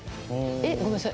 えっ？ごめんなさい。